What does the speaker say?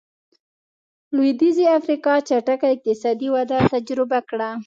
لوېدیځې افریقا چټکه اقتصادي وده تجربه کړه.